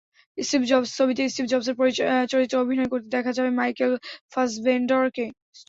Steve Jobs ছবিতে Steve জবসের চরিত্রে অভিনয় করতে দেখা যাবে মাইকেল ফাসবেন্ডারকে।